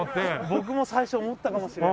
僕も最初思ったかもしれないそれは。